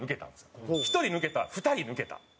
１人抜けた２人抜けた。